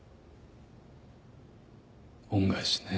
恩返しね。